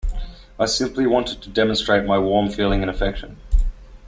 I simply wanted to demonstrate my warm feeling and affection.